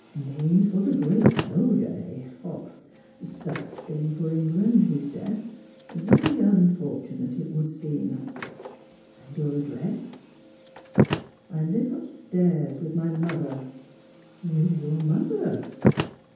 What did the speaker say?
" Named for the great soldier eh? Sad thing for England his death. Very unfortunate, it would seem. .... And your address?" " I live upstairs with my mother." ;' With your mother?